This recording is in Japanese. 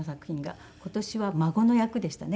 今年は孫の役でしたね